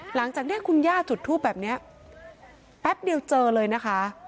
หลังจากนี้คุณย่าจุดทูปแบบนี้แป๊บเดียวเจอเลยนะคะ